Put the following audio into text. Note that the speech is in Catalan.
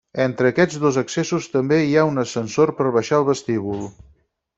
Entre aquests dos accessos també hi ha un ascensor per baixar al vestíbul.